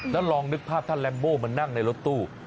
แล้วลองนึกภาพท่านแรมโบมานั่งในรถตู้